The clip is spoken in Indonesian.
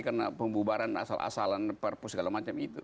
karena pembubaran asal asalnya